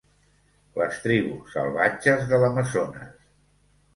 Les tribus salvatges de l'Amazones.